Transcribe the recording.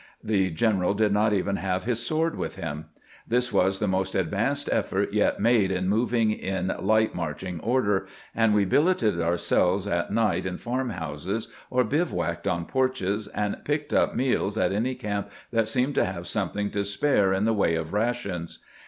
The general did not even have his sword with him. This was the most advanced effort yet made in moving in "light marching order," and we billeted ourselves at night in farm houses, or bivouacked on porches, and picked up meals at any camp that seemed to have something to spare in the way of rations.